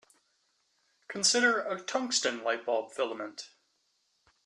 Consider a tungsten light-bulb filament.